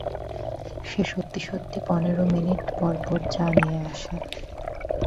সে সত্যি-সত্যি পনের মিনিট পরপর চা নিয়ে আসে।